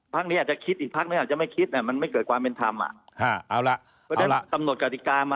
ภาคนี้อาจจะคิดอีกภาคนี้อาจจะไม่คิดมันไม่เกิดความเป็นทำอ่ะ